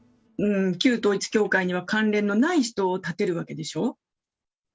旧統一教会には関連のない人を立てるわけでしょ？